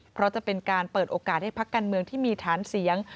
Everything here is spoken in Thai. เพราะจะเป็นการเปิดโอกาสให้พักการเมืองที่มีฐานเสียง